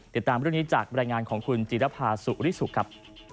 ด้วยนี้จากบรรยายงานของคุณจีรภาสุริสุกครับ